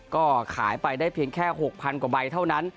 ก็ขายไปได้เพียงแค่๖๐๐กว่าใบเท่านั้น